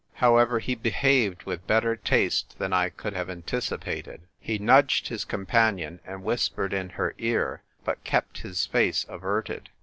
However, he behaved with better taste than I could have anticipated. He nudged his companion, and whispered in her ear, but kept his face averted.